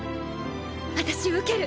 私受ける！